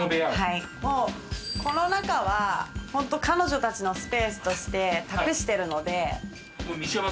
この中は本当、彼女たちのスペースとして託してるので。